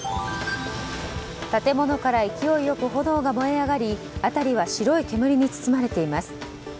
建物から勢いよく炎が燃え上がり辺りは白い煙に包まれています。